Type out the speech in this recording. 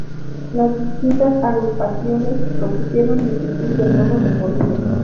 Las distintas agrupaciones propusieron multitud de nuevos recorridos.